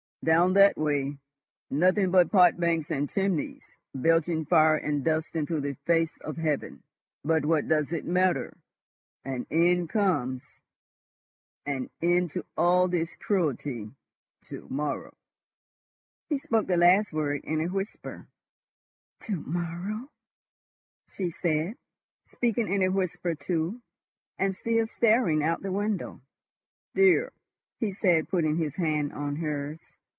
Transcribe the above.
Down that way—nothing but pot banks and chimneys belching fire and dust into the face of heaven ..... But what does it matter? An end comes, an end to all this cruelty ..... To morrow." He spoke the last word in a whisper. "To morrow," she said, speaking in a whisper too, and still staring out of the window. "Dear!" he said, putting his hand on hers.